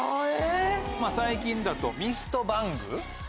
最近だとミストバング。